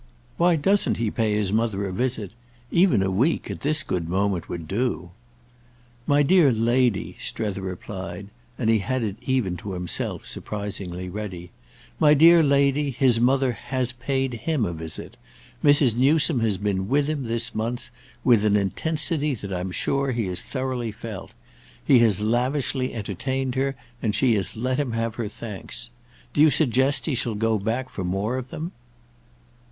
"Why doesn't he pay his mother a visit? Even a week, at this good moment, would do." "My dear lady," Strether replied—and he had it even to himself surprisingly ready—"my dear lady, his mother has paid him a visit. Mrs. Newsome has been with him, this month, with an intensity that I'm sure he has thoroughly felt; he has lavishly entertained her, and she has let him have her thanks. Do you suggest he shall go back for more of them?"